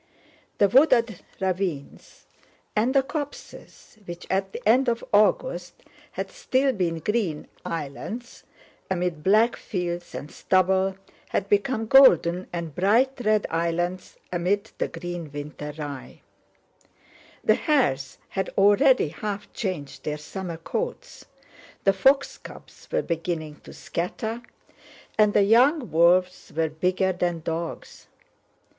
The wooded ravines and the copses, which at the end of August had still been green islands amid black fields and stubble, had become golden and bright red islands amid the green winter rye. The hares had already half changed their summer coats, the fox cubs were beginning to scatter, and the young wolves were bigger than dogs.